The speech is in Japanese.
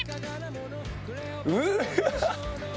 うわ！